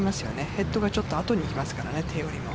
ヘッドがちょっと後ろにいきますから、手よりも。